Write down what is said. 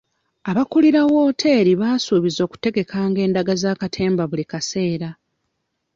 Abakulira wooteeri baasubiza okutegekanga endaga za katemba buli kaseera.